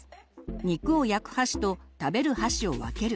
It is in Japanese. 肉を焼く箸と食べる箸を分ける。